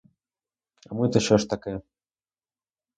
А ми то що ж таке?